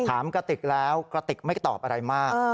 กระติกแล้วกระติกไม่ตอบอะไรมาก